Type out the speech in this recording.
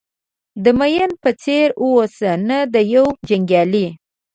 د مین په څېر اوسه نه د یو جنګیالي.